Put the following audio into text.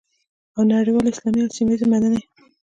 او نړیوالې، اسلامي او سیمه ییزې مننې